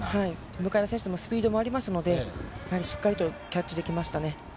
向田選手もスピードもありますので、しっかりとキャッチできましたね。